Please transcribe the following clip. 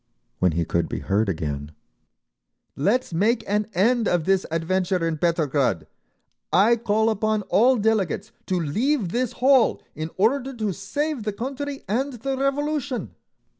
… When he could be heard again, "Let's make an end of this adventure in Petrograd! I call upon all delegates to leave this hall in order to save the country and the Revolution!"